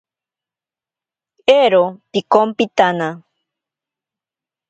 Eero pikompitana.